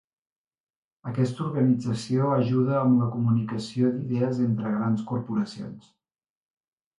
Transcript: Aquesta organització ajuda amb la comunicació d'idees entre grans corporacions.